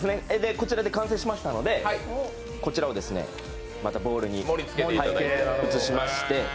こちらで完成しましたので、こちらをボウルに移しまして。